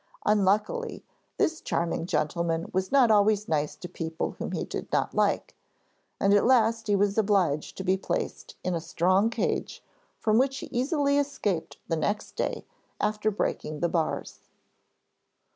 Unluckily this charming gentleman was not always nice to people whom he did not like, and at last he was obliged to be placed in a strong cage, from which he easily escaped the next day after breaking the bars.